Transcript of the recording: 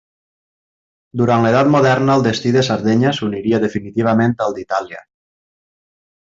Durant l'edat moderna el destí de Sardenya s'uniria definitivament al d'Itàlia.